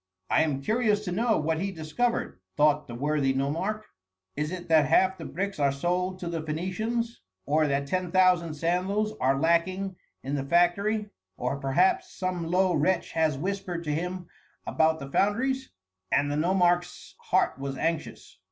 "I am curious to know what he discovered," thought the worthy nomarch. "Is it that half the bricks are sold to the Phœnicians, or that ten thousand sandals are lacking in the factory, or perhaps some low wretch has whispered to him about the foundries?" And the nomarch's heart was anxious.